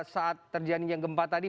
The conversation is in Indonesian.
saat terjadi yang gempa tadi